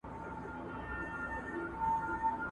زه د پي ټي ایم غړی نه یم !.